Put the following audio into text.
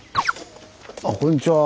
あこんにちは。